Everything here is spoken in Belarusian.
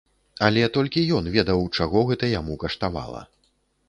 Але толькі ён ведаў, чаго гэта яму каштавала.